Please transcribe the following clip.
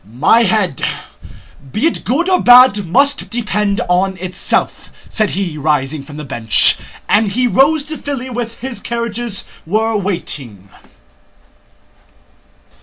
"My head, be it good or bad, must depend on itself," said he, rising from the bench, and he rode to Filí where his carriages were waiting.